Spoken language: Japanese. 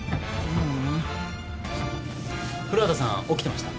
古畑さん起きてました？